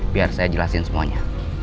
biar saya jelasin semua